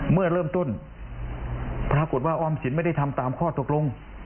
เมื่อเริ่มต้นพระแทนบิทยาคุณว่าออมสินไม่ได้ทำตามข้อตกลง